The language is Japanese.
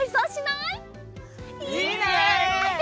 いいね！